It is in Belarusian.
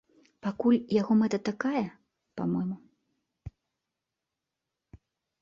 Пакуль яго мэта такая, па-мойму.